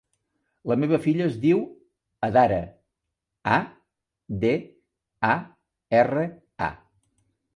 La meva filla es diu Adara: a, de, a, erra, a.